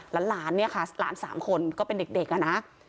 และหลานคือหลาน๓คนก็เป็นเด็กน่ะนะ